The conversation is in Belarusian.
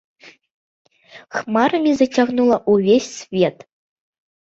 Хмарамі зацягнула ўвесь свет.